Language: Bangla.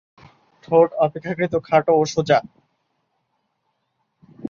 ঠোঁট অপেক্ষাকৃত খাটো ও সোজা।